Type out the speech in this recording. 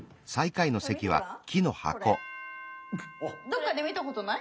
どっかで見たことない？